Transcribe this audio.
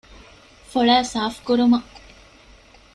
ފޮޅައި ސާފުކުރުމަށް